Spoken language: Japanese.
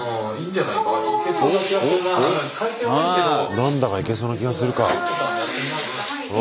何だかいけそうな気がするか。